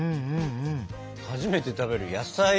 初めて食べる野菜。